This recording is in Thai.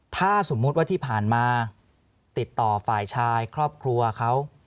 ถ้าสมมุติว่าที่ผ่านมาติดต่อฝ่ายชายครอบครัวเขา